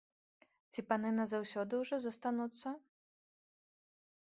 Ці паны назаўсёды ўжо застануцца?